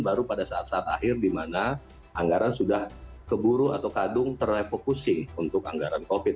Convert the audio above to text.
baru pada saat saat akhir di mana anggaran sudah keburu atau kadung terrefokusing untuk anggaran covid